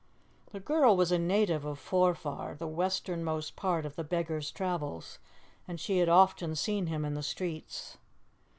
The girl was a native of Forfar, the westernmost point of the beggar's travels, and she had often seen him in the streets.